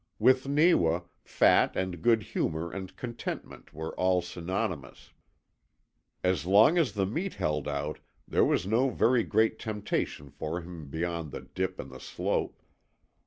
With Neewa, fat and good humour and contentment were all synonymous. As long as the meat held out there was no very great temptation for him beyond the dip and the slope.